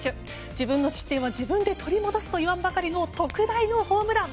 自分の失点は自分で取り戻すといわんばかりの特大のホームラン。